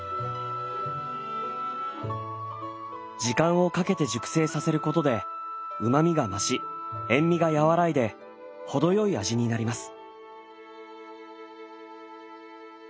時間をかけて熟成させることでうまみが増し塩味が和らいで程良い味になります。